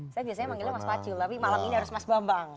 saya biasanya manggilnya mas pacul tapi malam ini harus mas bambang